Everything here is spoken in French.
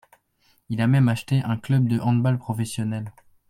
Il a même acheté un club de handball professionnel.